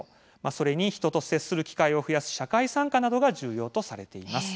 それに人と接する機会を増やす社会参加などが重要とされています。